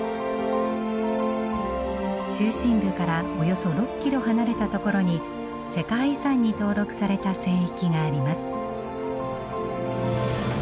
中心部からおよそ６キロ離れた所に世界遺産に登録された聖域があります。